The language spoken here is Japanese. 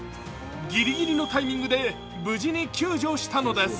ギリギリのタイミングで無事に救助したのです。